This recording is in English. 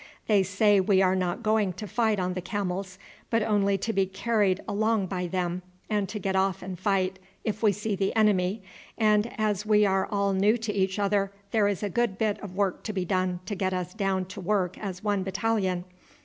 They say we are not going to fight on the camels, but only to be carried along by them and to get off and fight if we see the enemy, and as we are all new to each other there is a good bit of work to be done to get us down to work as one battalion.